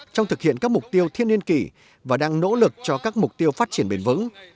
trong thực hiện các mục tiêu thiên niên kỷ và đang nỗ lực cho các mục tiêu phát triển bền vững